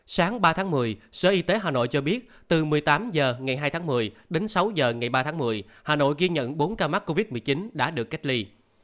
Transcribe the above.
sáng ba tháng một mươi sở y tế hà nội cho biết từ một mươi tám h ngày hai tháng một mươi đến sáu h ngày ba tháng một mươi hà nội ghi nhận bốn ca mắc covid một mươi chín đã được cách ly